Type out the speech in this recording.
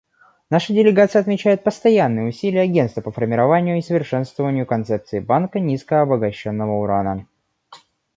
Наша делегация отмечает постоянные усилия Агентства по формированию и совершенствованию концепции банка низкообогащенного урана.